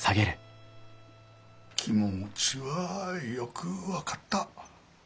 気持ちはよく分かった。